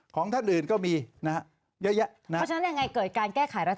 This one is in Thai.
ของท่านอื่นก็มีเยอะ